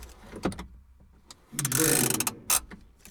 Il jouait avec vous.